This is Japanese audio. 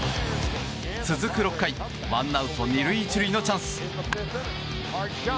続く６回ワンアウト２塁１塁のチャンス。